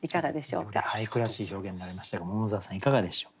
より俳句らしい表現になりましたが桃沢さんいかがでしょう？